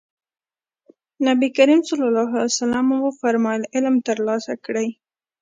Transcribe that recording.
نبي کريم ص وفرمايل علم ترلاسه کړئ.